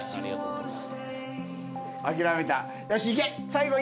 ありがとうございます。